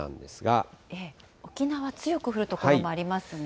沖縄、強く降る所もあります